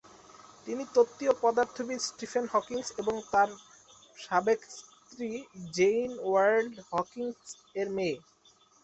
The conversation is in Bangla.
তিনি তত্ত্বীয় পদার্থবিদ স্টিফেন হকিং এবং তার সাবেক স্ত্রী জেইন ওয়াল্ড হকিং এর মেয়ে।